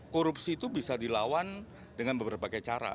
korupsi itu bisa dilawan dengan beberapa cara